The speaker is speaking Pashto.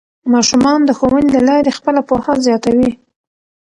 ماشومان د ښوونې له لارې خپله پوهه زیاتوي